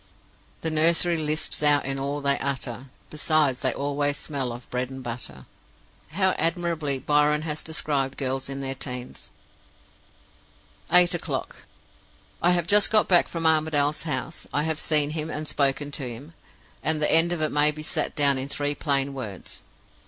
"'The nursery lisps out in all they utter; Besides, they always smell of bread and butter.' "How admirably Byron has described girls in their teens!" "Eight o'clock. I have just got back from Armadale's house. I have seen him, and spoken to him; and the end of it may be set down in three plain words.